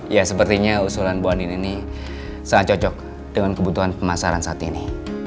ya sepertinya usulan bu anin ini sangat cocok dengan kebutuhan pemasaran saat ini